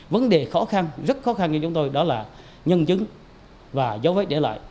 vấn đề khó khăn rất khó khăn cho chúng tôi đó là nhân chứng và dấu vết để lại